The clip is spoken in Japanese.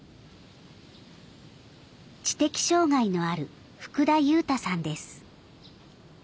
知的障害のある福田悠太さんです。